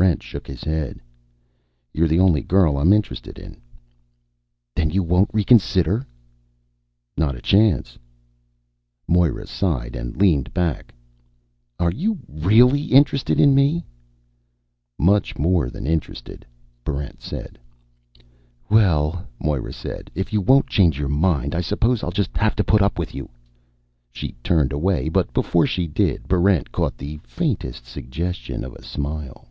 Barrent shook his head. "You're the only girl I'm interested in." "Then you won't reconsider?" "Not a chance." Moera sighed and leaned back. "Are you really interested in me?" "Much more than interested," Barrent said. "Well," Moera said, "if you won't change your mind, I suppose I'll just have to put up with you." She turned away; but before she did, Barrent caught the faintest suggestion of a smile.